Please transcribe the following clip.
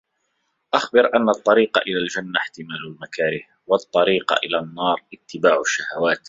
أَخْبَرَ أَنَّ الطَّرِيقَ إلَى الْجَنَّةِ احْتِمَالُ الْمَكَارِهِ ، وَالطَّرِيقَ إلَى النَّارِ اتِّبَاعُ الشَّهَوَاتِ